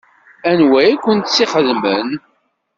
Anwa i kent-tt-ixedmen?